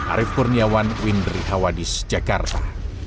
arief kurniawan windri hawadis jakarta